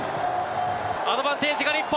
アドバンテージが日本。